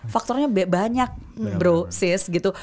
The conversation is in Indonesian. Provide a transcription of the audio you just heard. faktornya banyak bro sis gitu